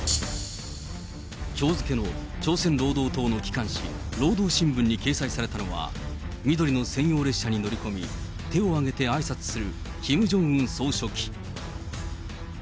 きょう付けの朝鮮労働党の機関紙、労働新聞に掲載されたのは、緑の専用列車に乗り込み、手を上げてあいさつするキム・ジョンウン総書記。